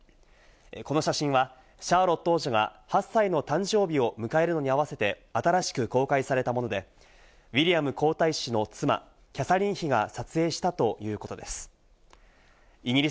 この写真はシャーロット王女が８歳の誕生日を迎えるのにあわせて新しく公開されたもので、ウィリアム皇太子の妻・キャサリン妃が撮影したということです。